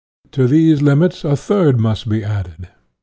To these limits a third must be added.